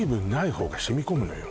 方が染み込むのよ